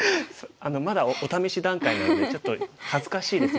あのまだお試し段階なのでちょっと恥ずかしいです